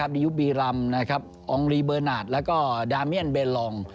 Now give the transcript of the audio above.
ดิยุบีรัมองค์ลีเบอร์นาทแล้วก็ดามิอนเบลอง